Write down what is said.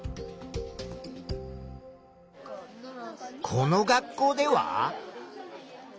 この学校では？